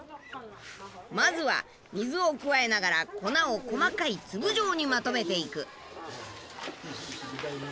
まずは水を加えながら粉を細かい粒状にまとめていく。